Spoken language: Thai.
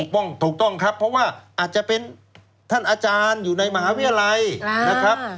ถูกต้องถูกต้องครับเพราะว่าอาจจะเป็นท่านอาจารย์อยู่ในมหาวิทยาลัยนะครับ